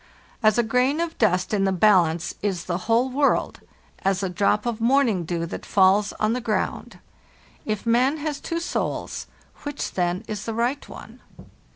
"As a grain of dust on the balance is the whole world; as a drop of morning dew that falls on the eround. If man has two souls, which then is the right one?